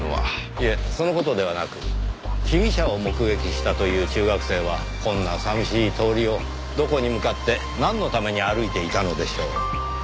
いえその事ではなく被疑者を目撃したという中学生はこんな寂しい通りをどこに向かってなんのために歩いていたのでしょう？